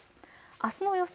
あすの予想